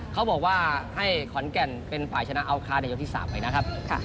เขาบอกว่าให้ขอนแก่นเป็นฝ่ายชนะอัลคาร์ดในยกที่๓ไปนะครับ